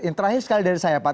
yang terakhir sekali dari saya pak